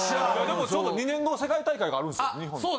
でもちょうど２年後世界大会があるんすよ日本で。